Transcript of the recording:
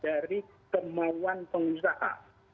dari kemauan pengusaha